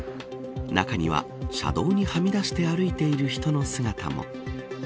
中には、車道にはみ出して歩いている人の姿も。